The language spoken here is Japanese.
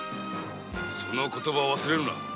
その言葉を忘れるな。